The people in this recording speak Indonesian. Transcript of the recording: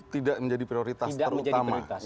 tidak menjadi prioritas terutama